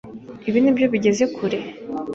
Ibi nibyo bigeze kure?